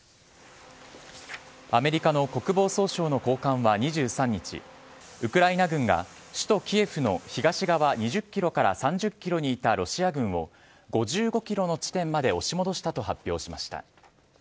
アメリカの国防総省の高官は２３日ウクライナ軍が首都・キエフの東側２０ｋｍ３０ｋｍにいたロシア軍を５５ｋｍの地点まで押し戻したと発表しました。